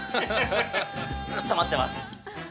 ずっと待ってます